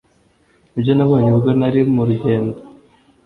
Ibyo Nabonye ubwo nari mu Rugendo